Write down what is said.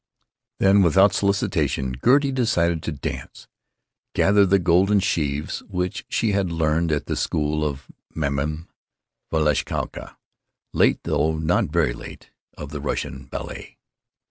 Then, without solicitation, Gertie decided to dance "Gather the Golden Sheaves," which she had learned at the school of Mme. Vashkowska, late (though not very late) of the Russian ballet.